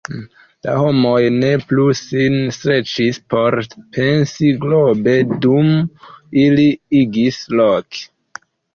La homoj ne plu sin streĉis por pensi globe dum ili agis loke.